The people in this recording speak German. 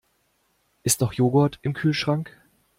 Ist noch Joghurt im Kühlschrank?